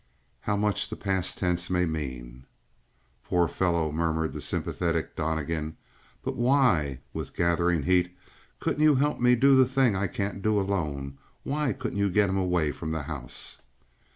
How much the past tense may mean! "Poor fellow," murmured the sympathetic Donnegan. "But why," with gathering heat, "couldn't you help me to do the thing I can't do alone? Why couldn't you get him away from the house?"